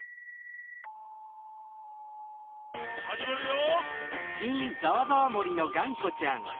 「はじまるよ！」